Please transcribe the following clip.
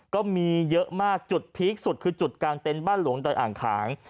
ก็มีเยอะมากจุดพีคสุดคือจุดกลางเต็นต์บ้านหลวงดอยอ่างขาง